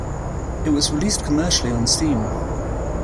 It was released commercially on Steam.